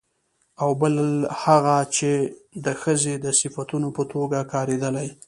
او بل هغه چې د ښځې د صفتونو په توګه کارېدلي